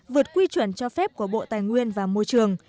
vượt quy chuẩn cho phép của bộ tài nguyên và môi trường